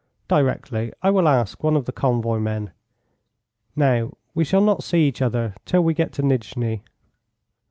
"Directly, I will ask one of the convoy men. Now we shall not see each other till we get to Nijni."